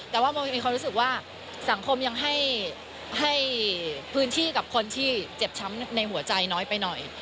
แต่ว่าโมยังมีความรู้สึกว่าสังคมยังให้พื้นที่กับคนที่เจ็บช้ำในหัวใจน้อยไปหน่อย